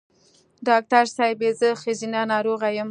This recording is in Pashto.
ډاکټر صېبې زه ښځېنه ناروغی یم